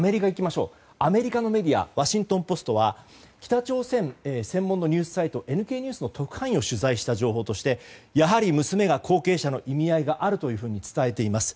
アメリカのメディアワシントン・ポストは北朝鮮専門のニュースサイトＮＫニュースの特派員を取材した情報としてやはり娘が後継者の意味合いがあると伝えています。